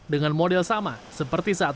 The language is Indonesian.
dengan model sama seperti saat